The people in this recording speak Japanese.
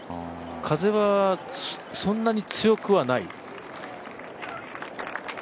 風はそんなに強くはない？